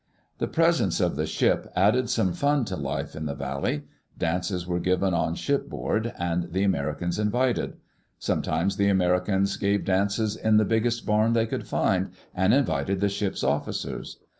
The presence of the ship added some fun to life in the valley. Dances were given on shipboard and the Ameri cans invited. Sometimes the Americans gave dances in the biggest barn they could find, and invited the ship's officers.